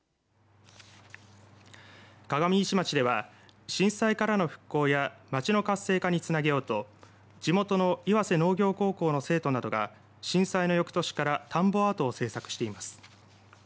鏡石町では震災からの復興や町の活性化につなげようと地元の岩瀬農業高校の生徒などが震災の翌年から田んぼアートを制作しています。